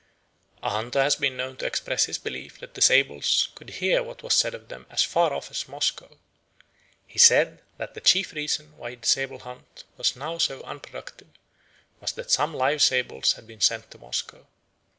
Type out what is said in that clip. A hunter has been known to express his belief that the sables could hear what was said of them as far off as Moscow. He said that the chief reason why the sable hunt was now so unproductive was that some live sables had been sent to Moscow.